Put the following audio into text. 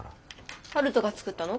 春風が作ったの？